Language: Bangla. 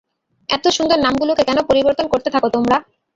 এতো সুন্দর নাম গুলোকে কেন পরিবর্তন করতে থাকো তোমারা?